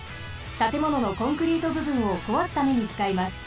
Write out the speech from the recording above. たてもののコンクリートぶぶんをこわすためにつかいます。